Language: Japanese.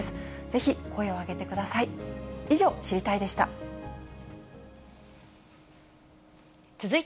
ぜひ声を上げてください。